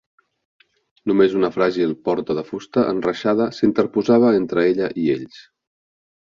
Només una fràgil porta de fusta enreixada s'interposava entre ella i ells.